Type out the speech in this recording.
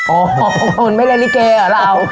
โอ้โหมันไม่ได้นิเก่หรอเรา